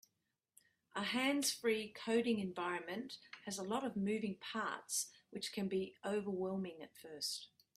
A hands-free coding environment has a lot of moving parts, which can be overwhelming at first.